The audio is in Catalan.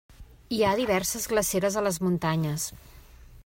Hi ha diverses glaceres a les muntanyes.